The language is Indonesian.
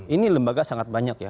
ini lembaga sangat banyak ya